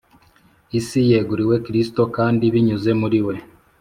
Isi yeguriwe Kristo kandi, binyuze muri We